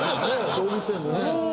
動物園でね。